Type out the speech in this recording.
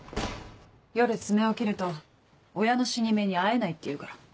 夜爪を切ると親の死に目に会えないっていうから。